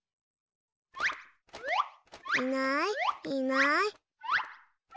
いないいない。